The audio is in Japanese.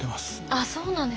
あっそうなんですか。